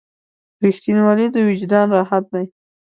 • رښتینولی د وجدان راحت دی.